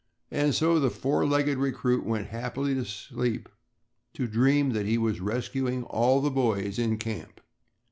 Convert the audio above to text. And so the four legged recruit went happily to sleep to dream that he was rescuing all the boys in camp.